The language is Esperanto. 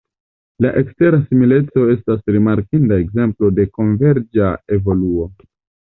La ekstera simileco estas rimarkinda ekzemplo de konverĝa evoluo.